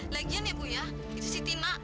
lagian ya bu ya itu si tina